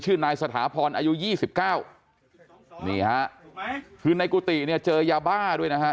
ชื่อนายสถาพรอายุ๒๙นี่ครับถูกไหมคือในกุฏิเนี่ยเจอยาบ้าด้วยนะฮะ